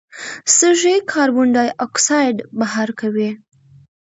سږي کاربن ډای اکساید بهر کوي.